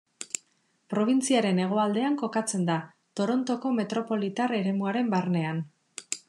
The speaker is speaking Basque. Probintziaren hegoaldean kokatzen da, Torontoko metropolitar eremuaren barnean.